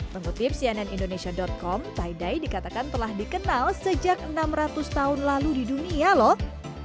mengutip cnnindonesia com tie dye dikatakan telah dikenal sejak enam ratus tahun lalu di dunia lho